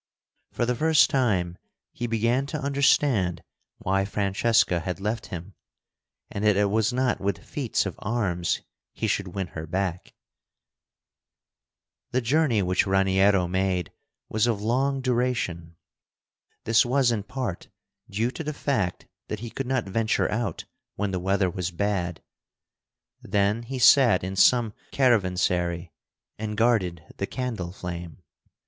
For the first time he began to understand why Francesca had left him, and that it was not with feats of arms he should win her back. The journey which Raniero made was of long duration. This was in part due to the fact that he could not venture out when the weather was bad. Then he sat in some caravansary, and guarded the candle flame.